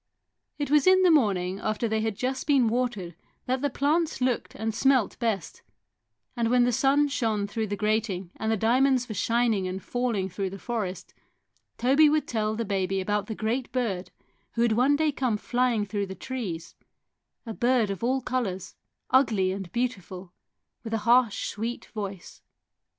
It was in the morning after they had just been watered that the plants looked and smelt best, and when the sun shone through the grating and the diamonds were shining and falling through the forest, Toby would tell the baby about the great bird who would one day come flying through the trees a bird of all colours, ugly and beautiful, with a harsh sweet voice.